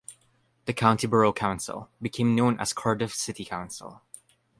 The county borough council became known as Cardiff City Council.